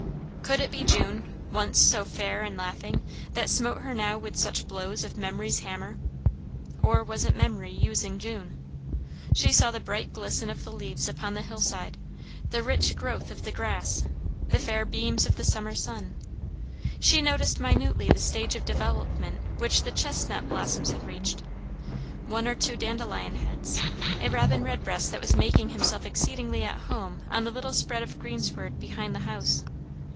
Could it be June, once so fair and laughing, that smote her now with such blows of memory's hammer? or was it Memory using June? She saw the bright glisten of the leaves upon the hillside, the rich growth of the grass, the fair beams of the summer sun; she noticed minutely the stage of development which the chestnut blossoms had reached; one or two dandelion heads; a robin redbreast that was making himself exceedingly at home on the little spread of greensward behind the house.